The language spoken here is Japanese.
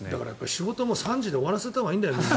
仕事も３時で終わらせたほうがいいんだよ。